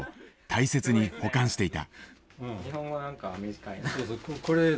大切に保管していた。